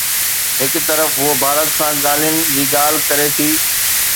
هڪ طرف هوءَ ڀارت سان ڳالهين جي ڳالهه ڪري ٿي.